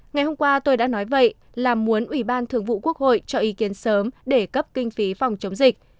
ngày hôm qua tôi đã nói vậy là muốn ủy ban thường vụ quốc hội cho ý kiến sớm để cấp kinh phí phòng chống dịch